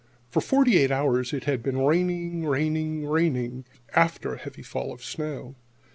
For forty eight hours it had been raining, raining, raining, after a heavy fall of snow.